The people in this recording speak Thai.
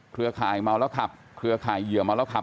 เครือข่ายเยื่อมาแล้วขับ